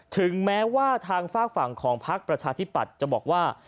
ถึงแม้ว่าทางฝากฝั่งของพักประชาธิปัตย์จะบอกว่า